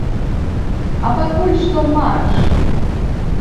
А пакуль што марш!